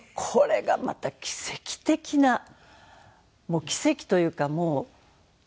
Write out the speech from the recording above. これがまた奇跡的な奇跡というかもう。